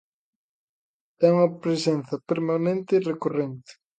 É unha presenza permanente, recorrente.